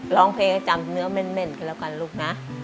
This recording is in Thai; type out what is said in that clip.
ร้องเพลงให้จำเนื้อเม่นกันแล้วกันลูกนะ